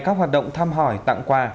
các hoạt động thăm hỏi tặng quà